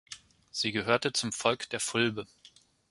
Sie gehörte zum Volk der Fulbe.